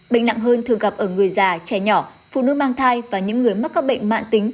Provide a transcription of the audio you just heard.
bệnh nặng hơn thường gặp ở người già trẻ nhỏ phụ nữ mang thai và những người mắc các bệnh mạng tính